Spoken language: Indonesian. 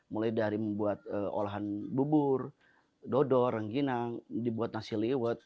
mulai dari membuat olahan bubur dodor rangginang dibuat nasi lewat